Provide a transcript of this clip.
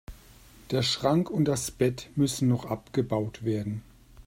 Der Schrank und das Bett müssen noch abgebaut werden.